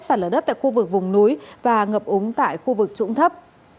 sản lở đất tại khu vực vùng núi và ngập úng tại khu vực trụng thấp